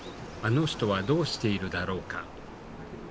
あの人はどうしているだろうか。